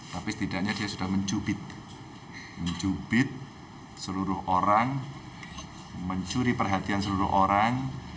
tapi setidaknya dia sudah mencubit seluruh orang mencuri perhatian seluruh orang